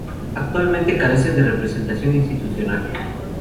Actualmente carecen de representación institucional.